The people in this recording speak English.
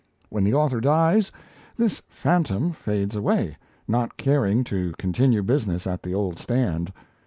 When the author dies, this phantom fades away, not caring to continue business at the old stand.